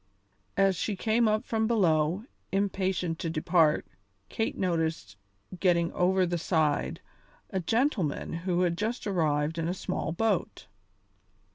As she came up from below, impatient to depart, Kate noticed, getting over the side, a gentleman who had just arrived in a small boat.